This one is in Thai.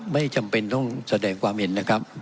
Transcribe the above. ไม่จำเป็นต้องแสดงความเห็นนะครับ